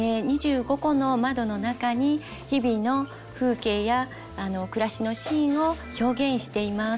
２５コの窓の中に日々の風景や暮らしのシーンを表現しています。